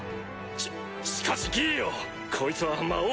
ししかしギィよこいつは魔王を侮辱。